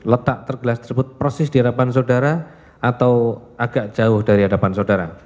letak gelas tersebut persis di depan saudara atau agak jauh dari depan saudara